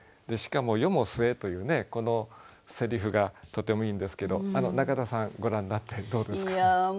しかも「世もすえ」というねこのせりふがとてもいいんですけど中田さんご覧になってどうですか？